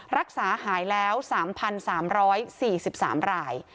รักษาหายแล้ว๓๓๔๓ราย